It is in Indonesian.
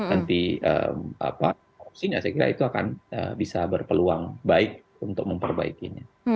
anti korupsinya saya kira itu akan bisa berpeluang baik untuk memperbaikinya